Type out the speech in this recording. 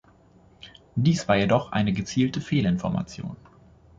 Dies war jedoch eine gezielte Fehlinformation.